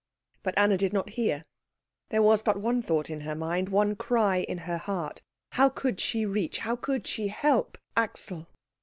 But Anna did not hear. There was but one thought in her mind, one cry in her heart how could she reach, how could she help, Axel?